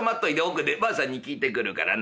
奥でばあさんに聞いてくるからな。